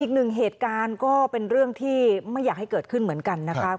อีกหนึ่งเหตุการณ์ก็เป็นเรื่องที่ไม่อยากให้เกิดขึ้นเหมือนกันนะคะ